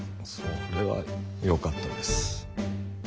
それはよかったです。